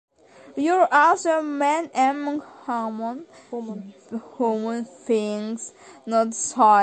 You’re also a man among human beings; not soil!